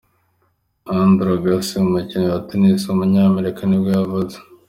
Andre Agassi, umukinnyi wa Tennis w’umunyamerika nibwo yavutse.